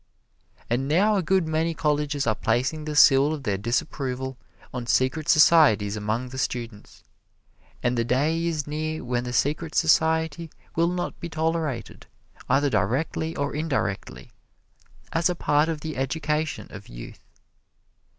And now a good many colleges are placing the seal of their disapproval on secret societies among the students; and the day is near when the secret society will not be tolerated, either directly or indirectly, as a part of the education of youth.